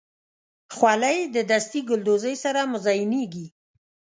خولۍ د دستي ګلدوزۍ سره مزینېږي.